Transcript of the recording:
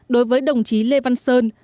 đối với đồng chí lê văn sơn